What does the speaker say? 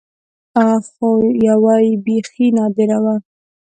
خو يوه يې بيخي نادره وه.